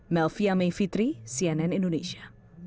melvia may fitri cnn indonesia